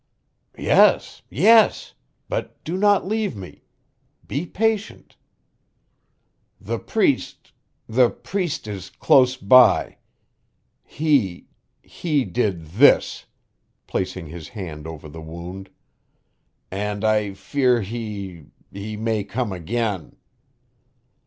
"Yes! Yes! But do not leave me. Be patient. The priest the priest is close by. He he did this," placing his hand over the wound, "and I fear he he may come again."